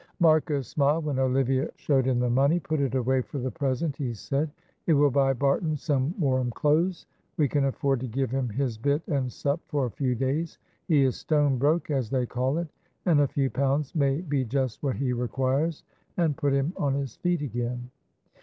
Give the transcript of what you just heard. Marcus smiled when Olivia showed him the money. "Put it away for the present," he said, "it will buy Barton some warm clothes; we can afford to give him his bit and sup for a few days; he is stone broke, as they call it, and a few pounds may be just what he requires, and put him on his feet again."